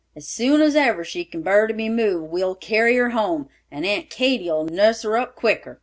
As soon as ever she can bar to be moved, we will carry her home, and Aunt Katy'll nuss her up quicker."